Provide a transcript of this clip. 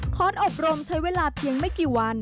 สอบรมใช้เวลาเพียงไม่กี่วัน